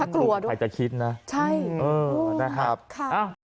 คือการดูใครจะคิดนะนะครับค่ะใช่